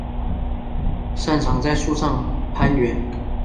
擅长在树上攀援。